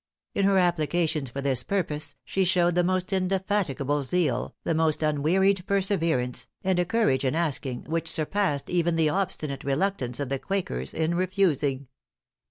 In her applications for this purpose, she showed the most indefatigable zeal, the most unwearied perseverance, and a courage in asking, which surpassed even the obstinate reluctance of the Quakers in refusing."